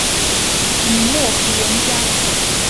明末古文家。